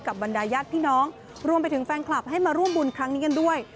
บรรดายญาติพี่น้องรวมไปถึงแฟนคลับให้มาร่วมบุญครั้งนี้กันด้วย